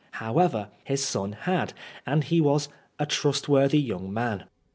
How ever, his son had, and he was " a trustworthy young man."